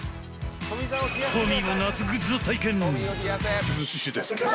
トミーも夏グッズを体験。